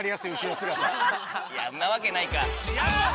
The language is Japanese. んなわけないか。